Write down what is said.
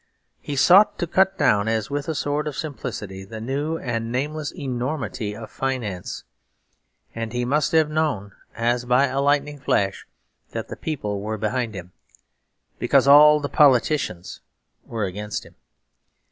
He sought to cut down, as with a sword of simplicity, the new and nameless enormity of finance; and he must have known, as by a lightning flash, that the people were behind him, because all the politicians were against him.